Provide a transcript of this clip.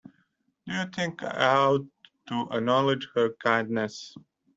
Do you think I ought to acknowledge her kindness?